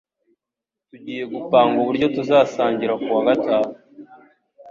Tugiye gupanga uburyo tuzasangira kuwa gatanu.